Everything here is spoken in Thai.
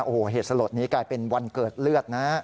โอ้โหเหตุสลดนี้กลายเป็นวันเกิดเลือดนะ